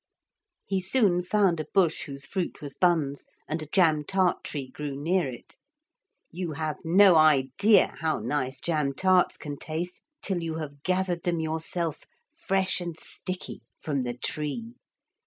He soon found a bush whose fruit was buns, and a jam tart tree grew near it. You have no idea how nice jam tarts can taste till you have gathered them yourself, fresh and sticky, from the tree.